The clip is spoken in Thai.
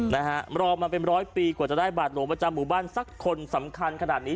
นะฮะรอมาเป็นร้อยปีกว่าจะได้บาทหลวงประจำหมู่บ้านสักคนสำคัญขนาดนี้